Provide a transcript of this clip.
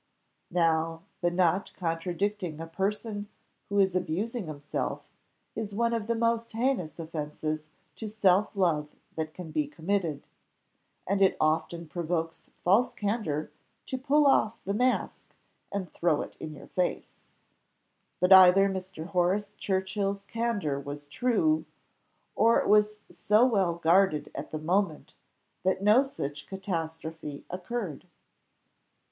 Now, the not contradicting a person who is abusing himself, is one of the most heinous offences to self love that can be committed; and it often provokes false candour to pull off the mask and throw it in your face; but either Mr. Horace Churchill's candour was true, or it was so well guarded at the moment that no such catastrophe occurred.